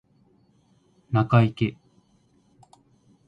中イキ